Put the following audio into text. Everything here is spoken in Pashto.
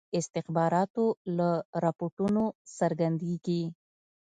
استخباراتو له رپوټونو څرګندیږي.